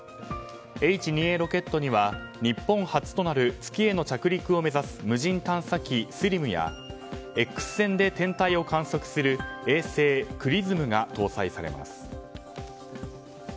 Ｈ２Ａロケットには日本初となる月への着陸を目指す無人探査機「ＳＬＩＭ」やＸ線で天体を観測する衛星「ＸＲＩＳＭ」が搭載されます。